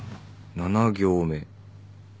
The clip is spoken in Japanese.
７行目。